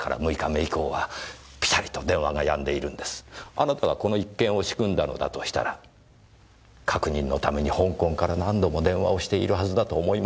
あなたがこの一件を仕組んだのだとしたら確認のために香港から何度も電話をしているはずだと思いました。